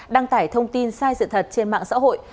đăng tải thông tin sai sự thật trên mạng xã hội